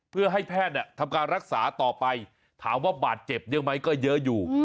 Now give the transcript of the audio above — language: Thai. เพื่อให้แพทย์ทำการรักษาต่อไปถามว่าบาดเจ็บเยอะไหมก็เยอะอยู่